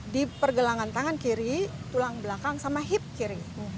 di pergelangan tangan kiri tulang belakang sama hip kiri